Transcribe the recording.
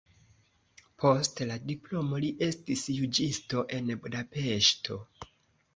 Post la diplomo li estis juĝisto en Budapeŝto.